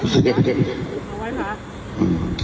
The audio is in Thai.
กำลังไหว้ภาค